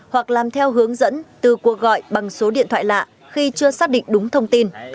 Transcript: hoặc làm theo hướng dẫn từ cuộc gọi bằng số điện thoại lạ khi chưa xác định đúng thông tin